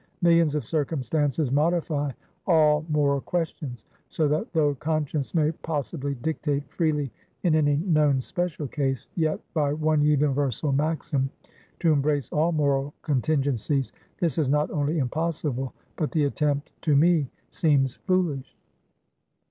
Millions of circumstances modify all moral questions; so that though conscience may possibly dictate freely in any known special case; yet, by one universal maxim, to embrace all moral contingencies, this is not only impossible, but the attempt, to me, seems foolish."